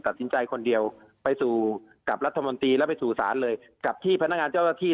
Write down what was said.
คนเดียวไปสู่กับรัฐมนตรีแล้วไปสู่ศาลเลยกับที่พนักงานเจ้าหน้าที่